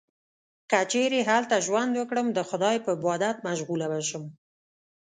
که چیرې هلته ژوند وکړم، د خدای په عبادت مشغوله به شم.